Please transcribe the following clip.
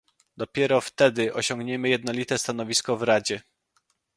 Dopiero wtedy osiągniemy jednolite stanowisko w Radzie